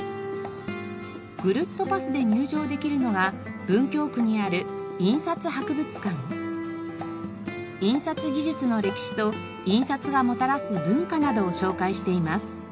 ぐるっとパスで入場できるのが文京区にある印刷技術の歴史と印刷がもたらす文化などを紹介しています。